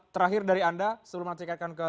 terakhir dari anda sebelum saya singkatkan ke